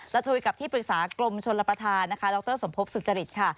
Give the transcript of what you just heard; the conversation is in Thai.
จะคุยกับที่ปรึกษากรมชนรับประทานนะคะดรสมภพสุจริตค่ะ